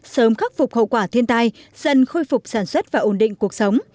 sớm khắc phục hậu quả thiên tai dần khôi phục sản xuất và ổn định cuộc sống